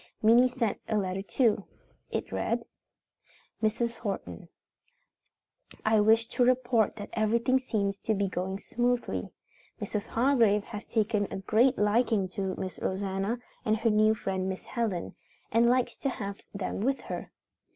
Minnie sent a letter too. It read: "Mrs. Horton: "I wish to report that everything seems to be going smoothly. Mrs. Hargrave has taken a great liking to Miss Rosanna, and her new friend Miss Helen, and likes to have them with her.